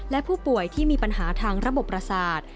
และผู้ป่วยที่มีปัญหาทางระบบประสาท